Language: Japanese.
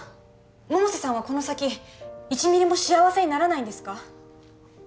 百瀬さんはこの先１ミリも幸せにならないんですか！？